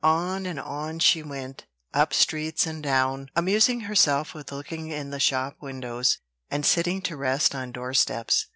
On and on she went, up streets and down, amusing herself with looking in the shop windows, and sitting to rest on doorsteps.